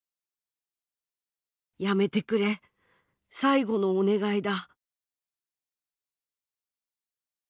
やめてくれ最後のお願いだ」。